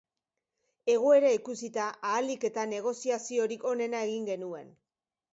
Egoera ikusita, ahalik eta negoziaziorik onena egin genuen.